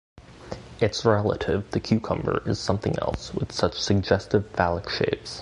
Its relative, the cucumber, is something else - with such suggestive phallic shapes.